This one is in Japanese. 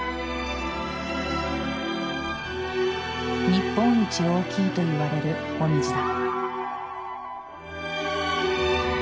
日本一大きいといわれるモミジだ。